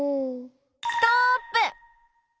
ストップ！